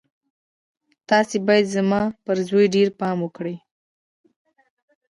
تاسې بايد زما پر زوی ډېر پام وکړئ.